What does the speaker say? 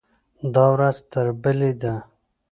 دا ورځ تر بلې ده.